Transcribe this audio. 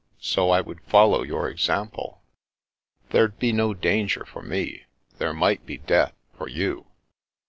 So I would follow your example." " There'd be no danger for me. There might be death for you."